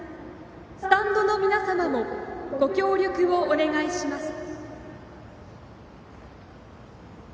スタンドの皆様もご協力をお願いします。